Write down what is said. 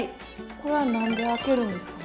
これは何で開けるんですか？